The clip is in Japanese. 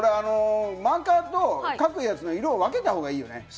マーカーと書くやつ、色を分けたほうがいいよね。